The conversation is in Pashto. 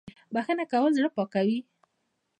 بخښنه کول زړه پاکوي